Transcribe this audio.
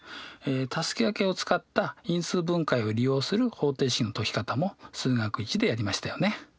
たすき掛けを使った因数分解を利用する方程式の解き方も「数学Ⅰ」でやりましたよね。